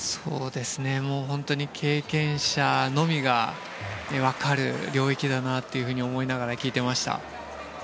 本当に経験者のみがわかる領域だなと思いながら聞いていました。